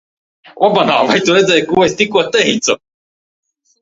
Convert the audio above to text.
Vai tu nedzirdēji, ko es tikko teicu?